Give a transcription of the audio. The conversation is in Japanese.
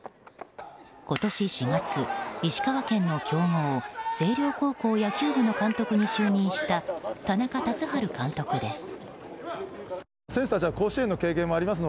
今年４月石川県の強豪、星稜高校野球部の監督に就任した田中辰治監督です。